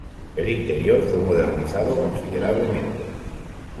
El interior fue modernizado considerablemente.